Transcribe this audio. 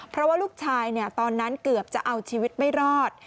เพราะว่าลูกชายตอนนั้นเกือบจะเอาชีวิตไม่รอด